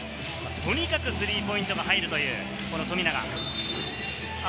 とにかくスリーポイントが入るという富永。